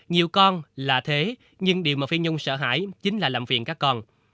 nhiều con là thế nhưng điều mà phi nhung sợ hãi chính là làm việc các con